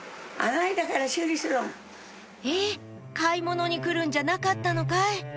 買い物に来るんじゃなかったのかい？」